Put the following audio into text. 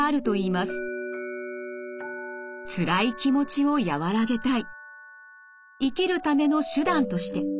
まず１つ目「つらい気持ちを和らげたい」。